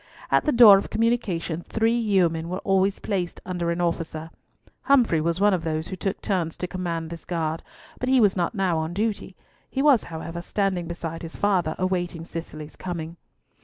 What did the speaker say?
At the door of communication three yeomen were always placed under an officer. Humfrey was one of those who took turns to command this guard, but he was not now on duty. He was, however, standing beside his father awaiting Cicely's coming.